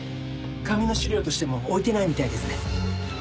紙の資料としても置いてないみたいですね。